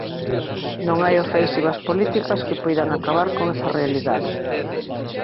Non hai ofensivas políticas que poidan acabar con esa realidade: